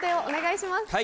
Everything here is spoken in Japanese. お願いします。